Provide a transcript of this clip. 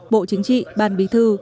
bộ chính trị ban bí thư